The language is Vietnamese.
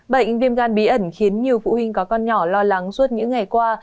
bệnh viêm gan bí ẩn khiến nhiều phụ huynh có con nhỏ lo lắng suốt những ngày qua